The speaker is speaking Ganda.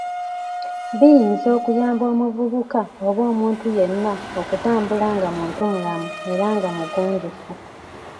Biyinza okuyamba omuvubuka oba omuntu yenna okutambula nga muntumulamu era nga mugunjufu.